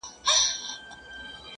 نو دغه نوري شپې بيا څه وكړمه ـ